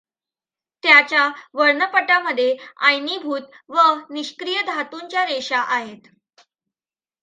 त्याच्या वर्णपटामध्ये आयनीभूत व निष्क्रिय धांतूंच्या रेषा आहेत.